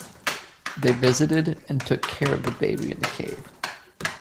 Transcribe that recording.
They visited and took care of the baby in the cave.